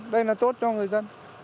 đây là tốt cho người dân